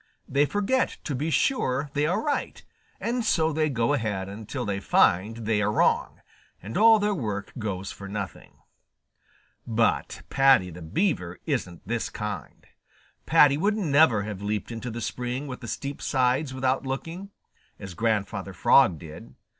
They forget to be sure they are right, and so they go ahead until they find they are wrong, and all their work goes for nothing. But Paddy the Beaver isn't this kind. Paddy would never have leaped into the spring with the steep sides without looking, as Grandfather Frog did.